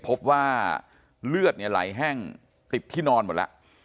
พบว่าเลือดเนี่ยไหลแห้งติดที่นอนหมดแล้ว